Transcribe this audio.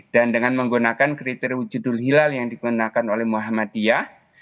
dan dengan menggunakan kriteri judul hilal yang digunakan oleh muhammadiyah